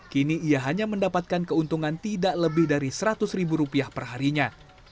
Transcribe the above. kini ia hanya mendapatkan keuntungan tidak lebih dari seratus ribu rupiah perharinya